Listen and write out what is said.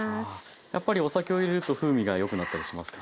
やっぱりお酒を入れると風味がよくなったりしますか？